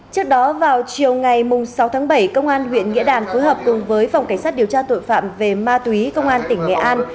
trước đó vào chiều ngày sáu tháng bảy công an huyện nghĩa đàn phối hợp cùng với phòng cảnh sát điều tra tội phạm về ma túy công an tỉnh nghệ an